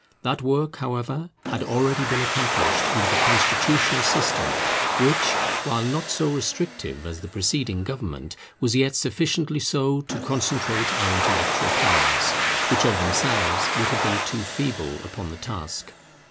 That work, however, had already been accomplished under the Constitutional system; which, while not so restrictive as the preceding government, was yet sufficiently so to concentrate our intellectual powers, which of themselves would have been too feeble, upon the task.